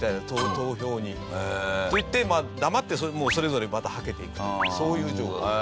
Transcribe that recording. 投票に」って言って黙ってそれぞれまたはけていくというそういうジョークを。